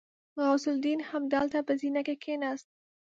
غوث الدين همالته په زينه کې کېناست.